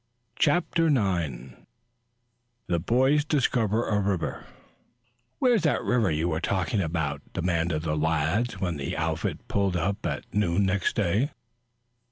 CHAPTER IX THE BOYS DISCOVER A RIVER "Where's that river you were talking about?" demanded the lads when the outfit pulled up at noon next day.